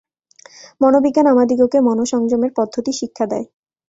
মনোবিজ্ঞান আমাদিগকে মনঃসংযমের পদ্ধতি শিক্ষা দেয়।